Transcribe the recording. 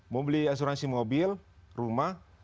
mau beli asuransi mobil rumah